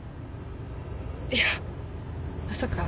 いやまさか。